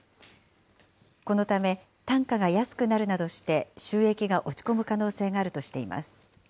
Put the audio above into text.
このため、単価が安くなるなどして収益が落ち込む可能性があるとしています。